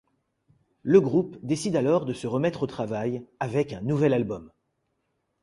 Le groupe décide alors de se remettre au travail avec un nouvel album.